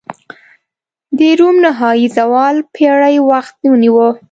د روم نهايي زوال پېړۍ وخت ونیوه.